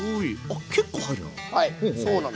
あ結構入るな。